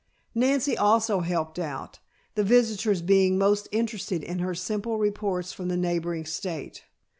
Nancy also helped out, the visitors being most interested in her simple reports from the neighboring state.